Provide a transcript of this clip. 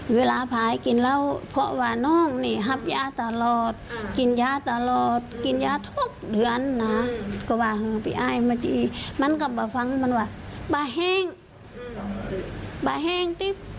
เท่าที่เราเคยได้ยินพี่ชายชอบว่าอะไรน้องบ้าง